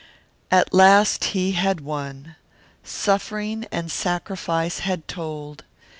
At last he had won. Suffering and sacrifice had told.